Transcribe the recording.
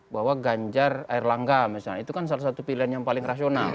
bahwa ganjar erlangga misalnya itu kan salah satu pilihan yang paling rasional